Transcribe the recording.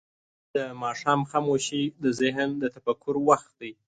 د ماښام خاموشي د ذهن د تفکر وخت دی.